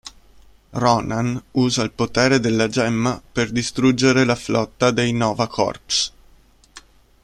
Ronan usa il potere della Gemma per distruggere la flotta dei Nova Corps.